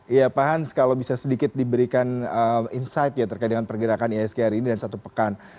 iya pak hans kalau bisa sedikit diberikan insight ya terkait dengan pergerakan isg hari ini dan satu pekan